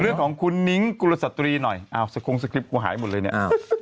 เรื่องของคุณนิ้งกุศตรีหน่อยเอาสดทรงสกริปกว่าหายหมดเลยเนี่ย